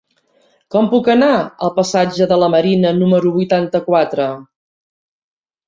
Com puc anar al passatge de la Marina número vuitanta-quatre?